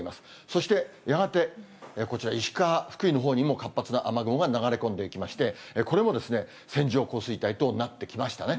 そして、やがてこちら、石川、福井のほうにも活発な雨雲が流れ込んできまして、これも線状降水帯となってきましたね。